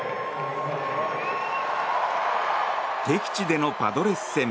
敵地でのパドレス戦。